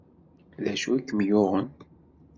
D acu i kem-yuɣen?